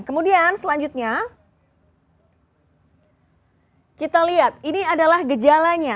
kemudian selanjutnya kita lihat ini adalah gejalanya